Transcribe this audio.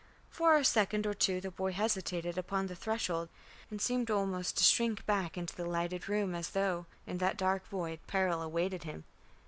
For a second or two the boy hesitated upon the threshold, and seemed almost to shrink back into the lighted room as though in that dark void peril awaited him.